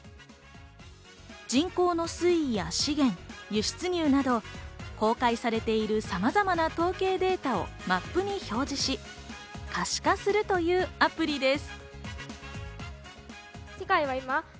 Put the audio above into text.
人口の推移や資源、輸出入など、公開されているさまざまな統計データをマップに表示し、可視化するというアプリです。